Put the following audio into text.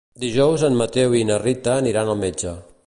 Dijous en Mateu i na Rita aniran al metge.